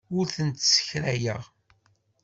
Ur tent-ssekrayeɣ.